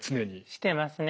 してますね。